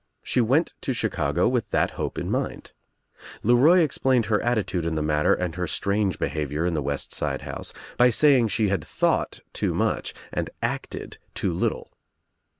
She went (o Chicago with that hope in mind. LcRoy explained filer attitude in the matter and her strange behavior in Hthe west side house by saying she had thought too much and acted too little.